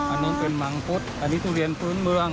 อันนี้เป็นมังคุดอันนี้ทุเรียนพื้นเมือง